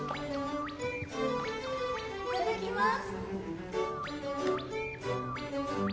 いただきます。